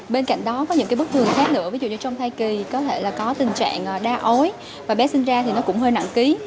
bên cạnh đó có những bức thường khác nữa ví dụ như trong thai kỳ có thể là có tình trạng đa ối và bé sinh ra thì nó cũng hơi nặng ký